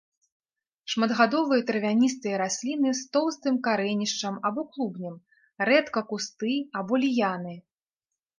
Шматгадовыя травяністыя расліны з тоўстым карэнішчам або клубнем, рэдка кусты або ліяны.